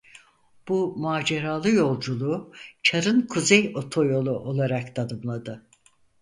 Bu maceralı yolculuğu "Çar'ın kuzey otoyolu" olarak tanımladı.